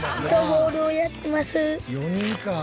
４人かあ。